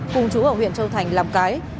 cùng chú ở huyện châu thành làm cái